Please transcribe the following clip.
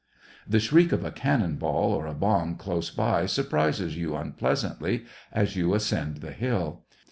The shriek of a cannon ball or a bomb close by surprises you unpleasantly, as you ascend the hill.